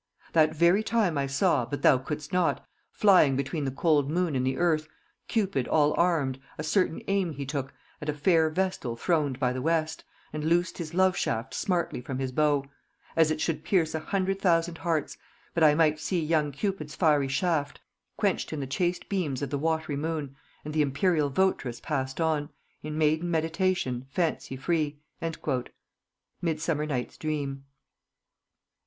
That very time I saw, but thou could'st not, Flying between the cold moon and the earth, Cupid all arm'd: a certain aim he took At a fair Vestal throned by the West, And loos'd his love shaft smartly from his bow, As it should pierce a hundred thousand hearts; But I might see young Cupid's fiery shaft Quench'd in the chaste beams of the watry moon, And the Imperial Votress passed on, In maiden meditation, fancy free." _Midsummer Night's Dream.